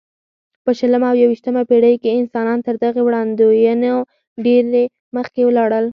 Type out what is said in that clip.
په شلمه او یویشتمه پېړۍ کې انسانان تر دغې وړاندوینو ډېر مخکې ولاړل.